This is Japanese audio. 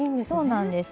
そうなんです。